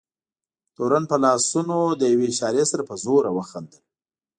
تورن په لاسونو د یوې اشارې سره په زوره وخندل.